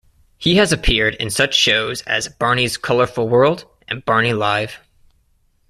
He has appeared in such shows as Barney's Colorful World and Barney Live!